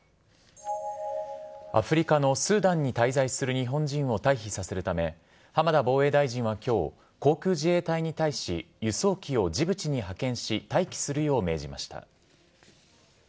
アフリカのスーダンに滞在する日本人を退避させるため浜田防衛大臣は今日航空自衛隊に対し輸送機をジブチに派遣し待機するよう命じました。